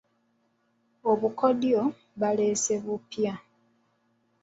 Obukodyo baleese bupya.